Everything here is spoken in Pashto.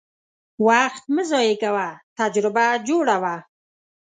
وخت مه ضایع کوه، تجربه جوړه وه.